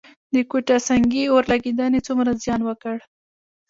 د کوټه سنګي اورلګیدنې څومره زیان وکړ؟